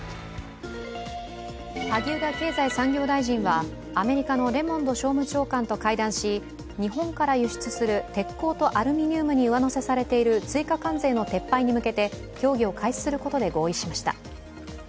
萩生田経済産業大臣はアメリカのレモンド商務長官と会談し、日本から輸出する鉄鋼とアルミニウムに上乗せされている追加関税の撤廃に向けて協議を開始することで合意しました。